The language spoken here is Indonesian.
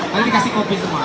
nanti dikasih kopi semua